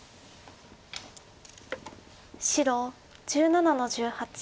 白１７の十八。